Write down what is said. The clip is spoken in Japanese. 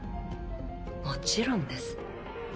もちろんです。